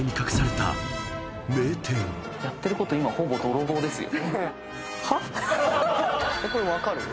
やってることほぼ泥棒ですよ。